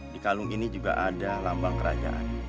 di kalung ini juga ada lambang kerajaan